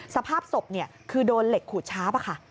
สภาพศพคือโดนเหล็กขูดชาร์ปค่ะ